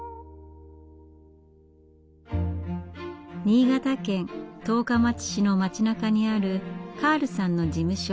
新潟県十日町市の町なかにあるカールさんの事務所。